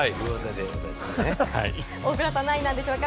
大倉さんは何位なんでしょうか？